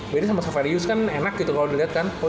biarin sama saffarius kan enak gitu kalo diliat kan